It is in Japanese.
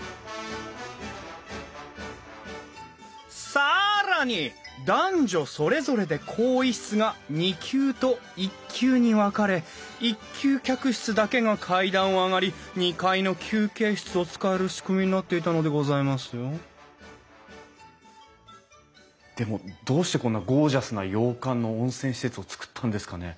更に男女それぞれで更衣室が２級と１級に分かれ１級客室だけが階段を上がり２階の休憩室を使える仕組みになっていたのでございますよでもどうしてこんなゴージャスな洋館の温泉施設をつくったんですかね？